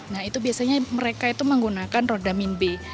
nah itu biasanya mereka itu menggunakan rodamin b